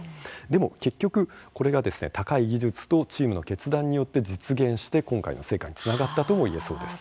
でも、結局これが高い技術とチームの決断によって実現して今回の成果につながったともいえそうです。